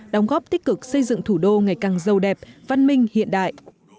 đóng góp tích cực xây dựng thủ đô ngày càng giàu đẹp văn minh hiện đại